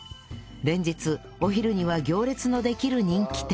連日お昼には行列のできる人気店